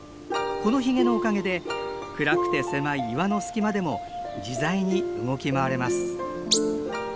このヒゲのおかげで暗くて狭い岩の隙間でも自在に動き回れます。